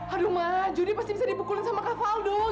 aduh ma jody pasti bisa dipukulin sama kak paldol